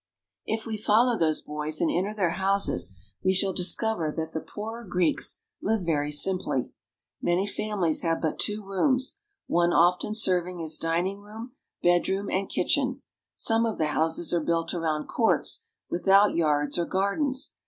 If we follow those boys and enter their houses, we shall discover that the poorer Greeks live very simply. Many families have but two rooms, one often serving as dining room, bedroom, and kitchen; some of the houses are built around courts without yards or gardens.